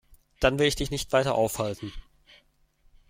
Dann will ich dich nicht weiter aufhalten.